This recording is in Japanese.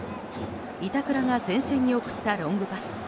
板倉が前線に送ったロングパス。